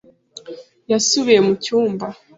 yasubiye mu cyumba.